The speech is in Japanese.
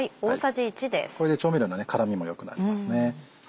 これで調味料の絡みも良くなりますね。